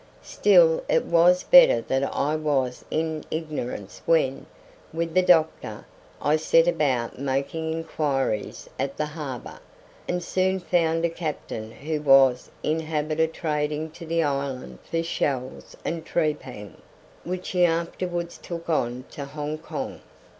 Still it was better that I was in ignorance when, with the doctor, I set about making inquiries at the harbour, and soon found a captain who was in the habit of trading to the island for shells and trepang, which he afterwards took on to Hongkong.